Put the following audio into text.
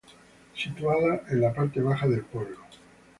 Situada en la parte baja del pueblo.